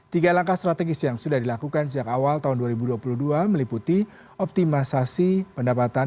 tiga langkah strategis yang sudah dilakukan sejak awal tahun dua ribu dua puluh dua meliputi optimalisasi pendapatan